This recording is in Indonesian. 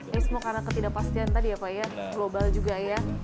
ini semua karena ketidakpastian tadi ya pak ya global juga ya